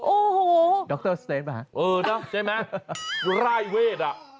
โอ้โหโดคเตอร์เหรอฮะเออเนาะใช่ไหมฮะ